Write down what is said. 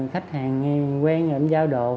khách hàng quen giáo đồ